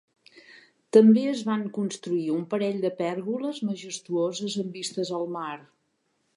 També es van construir un parell de pèrgoles majestuoses amb vistes al mar.